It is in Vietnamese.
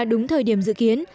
đúng thời điểm dự kiến